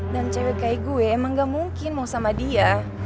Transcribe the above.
dan cewek kayak gue emang gak mungkin mau sama dia